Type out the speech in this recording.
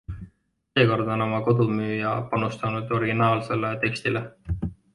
Seekord on oma kodu müüja panustanud originaalsele tekstile.